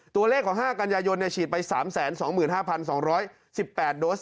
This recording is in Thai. ตัวเลขของ๕กันยายนฉีดไป๓๒๕๒๑๘โดส